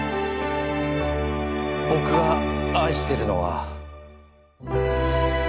僕が愛してるのは。